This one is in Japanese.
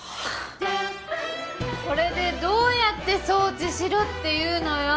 これでどうやって掃除しろっていうのよ！